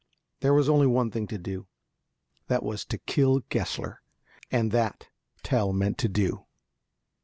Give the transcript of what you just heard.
There was only one thing to do. That was to kill Gessler, and that Tell meant to do.